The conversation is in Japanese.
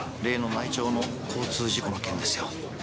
例の内調の交通事故の件ですよ。